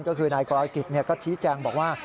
ก็คือนายกรกิจก็ชี้แจงบอกว่า